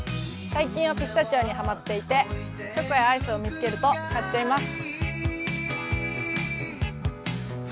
最近はピスタチオにハマっていて、チョコやアイスを見つけると買っちゃいます。